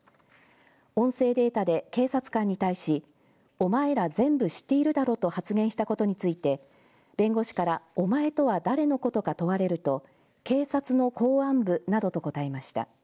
音声データで警察官に対しお前ら全部知っているだろと発言したことについて弁護士から、お前とは誰のことか問われると警察の公安部などと答えました。